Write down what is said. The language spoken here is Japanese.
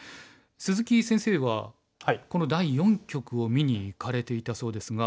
鈴木先生はこの第四局を見に行かれていたそうですが。